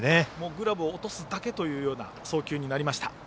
グラブを落とすだけというような送球になりました。